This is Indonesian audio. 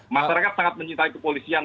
masyarakat sangat mencintai kepolisian